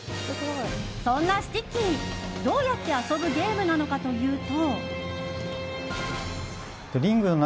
そんなスティッキーどうやって遊ぶゲームなのかというと。